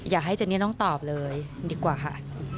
ให้เจนี่ต้องตอบเลยดีกว่าค่ะ